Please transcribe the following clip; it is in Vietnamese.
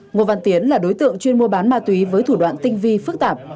ngô văn tiến là đối tượng chuyên mua bán ma túy với thủ đoạn tinh vi phức tạp